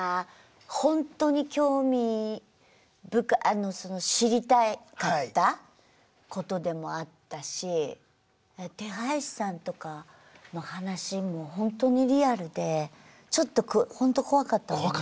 ほんとに興味深い知りたかったことでもあったし手配師さんとかの話もほんとにリアルでちょっとほんと怖かったもんね。